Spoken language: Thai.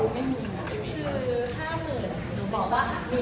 ไม่มีนะคือ๕๐๐๐๐หนูบอกว่ามี๕๐๐๐๐